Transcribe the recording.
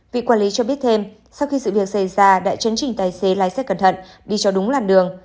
vị quản lý cho biết thêm sau khi sự việc xảy ra đã chấn trình tài xế lái xe cẩn thận đi cho đúng làn đường